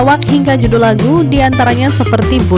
jadi umumnya ada durian lokal sama durian kabul